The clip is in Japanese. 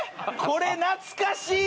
これ懐かしい！